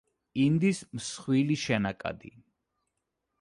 ინდის მსხვილი შენაკადი.